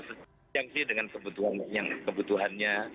sejauh dengan kebutuhannya